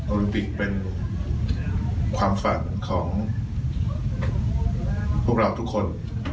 ลิมปิกเป็นความฝันของพวกเราทุกคน